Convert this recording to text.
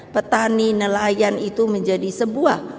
petani nelayan itu menjadi sebuah